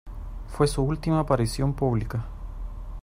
Fue su última aparición pública.